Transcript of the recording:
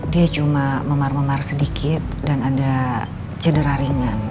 dia cuma memar memar sedikit dan ada cedera ringan